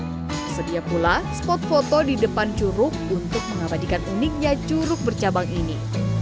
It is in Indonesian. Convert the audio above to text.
tersedia pula spot foto di depan curug untuk mengabadikan uniknya curug bercabang ini